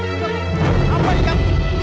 ini tidak bisa dibiarkan